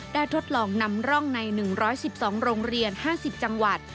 ทดลองนำร่องใน๑๑๒โรงเรียน๕๐จังหวัด